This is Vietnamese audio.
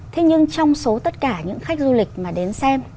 thế nhưng trong số tất cả những khách du lịch mà đến xem